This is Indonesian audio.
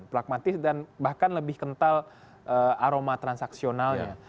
pragmatis dan bahkan lebih kental aroma transaksionalnya